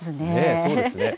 そうですね。